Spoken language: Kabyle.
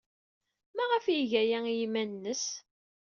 Maɣef ay iga aya i yiman-nnes?